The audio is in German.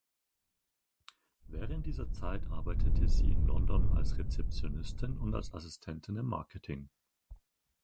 Während dieser Zeit arbeitete sie in London als Rezeptionistin und als Assistentin im Marketing.